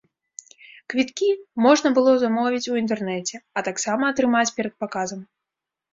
Квіткі можна было замовіць у інтэрнэце, а таксама атрымаць перад паказам.